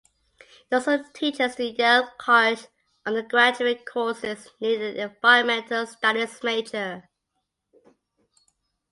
It also teaches the Yale College undergraduate courses needed for the Environmental Studies major.